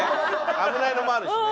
危ないのもあるしね。